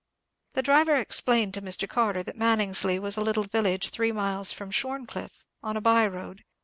The driver explained to Mr. Carter that Maningsly was a little village three miles from Shorncliffe, on a by road.